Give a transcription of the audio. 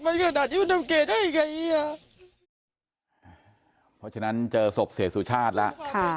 เพราะฉะนั้นเจอศพเสียสุชาติแล้ว